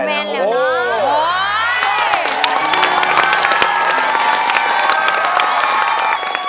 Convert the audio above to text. สุบลมว่าเมนเนอะ